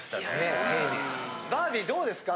バービーどうですか？